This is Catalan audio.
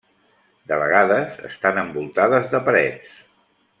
De vegades estan envoltades de parets.